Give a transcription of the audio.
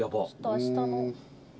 明日の。